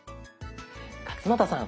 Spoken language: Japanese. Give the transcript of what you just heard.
勝俣さん